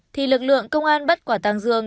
thì lực lượng công an bắt quả tăng dương